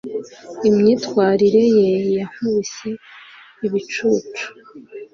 imyitwarire ye yankubise ibicucu